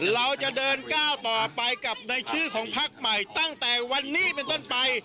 เราจะเดินก้าวต่อไปกับในชื่อของพักใหม่ตั้งแต่วันนี้เป็นต้นไป